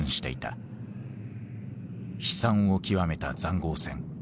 悲惨を極めた塹壕戦。